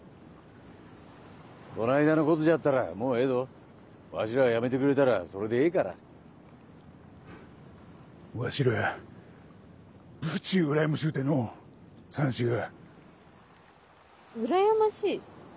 こないだのことじゃったらもうええどわしらはやめてくれたらそれでええかわしらブチうらやましゅうてのさんしうらやましい？